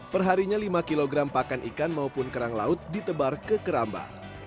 perharinya lima kg pakan ikan maupun kerang laut ditebar ke keramba